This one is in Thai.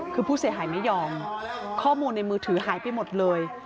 คือผู้เสียหายไม่ยอมข้อมูลในมือถือหายไปหมดเลย